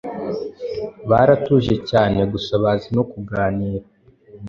baratuje cyane gusa bazi no kuganira